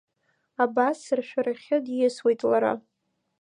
Абас сыршәарахьы диасуеит лара.